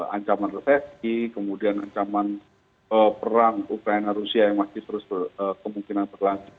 ancaman resesi kemudian ancaman perang ukraina rusia yang masih terus kemungkinan berlanjut